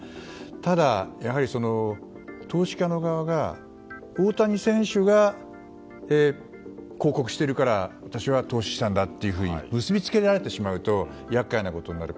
ただ、やはり投資家の側が大谷選手が広告しているから私は投資したんだと結び付けられてしまうと厄介なことになる。